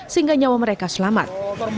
sehingga nyawa mereka selamat